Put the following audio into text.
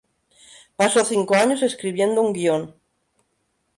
Pasó cinco años escribiendo un guión.